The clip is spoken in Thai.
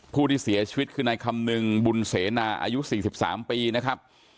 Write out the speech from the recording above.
ผู้ที่เสียชีวิตคือนายคำนึงบุญเสนาอายุ๔๓ปีนะครับ